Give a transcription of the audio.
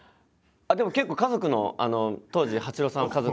あっでも結構家族の当時八郎さんは家族いたんで。